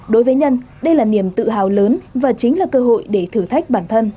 đối với nhân đây là niềm tự hào lớn và chính là cơ hội để thử thách bản thân